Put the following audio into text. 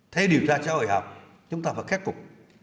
theo điều tra trả hội học chúng ta phải khép cục